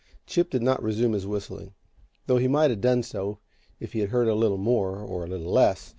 Chip did not resume his whistling, though he might have done so if he had heard a little more, or a little less.